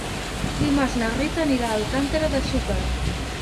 Dimarts na Rita anirà a Alcàntera de Xúquer.